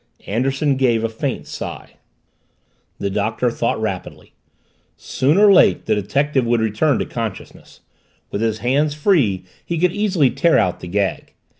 Anderson gave a faint sigh. The Doctor thought rapidly. Soon or late the detective would return to consciousness with his hands free he could easily tear out the gag.